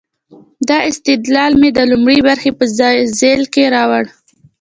دا استدلال مې د لومړۍ برخې په ذیل کې راوړ.